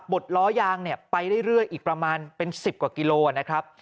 ดล้อยางเนี่ยไปเรื่อยอีกประมาณเป็น๑๐กว่ากิโลนะครับ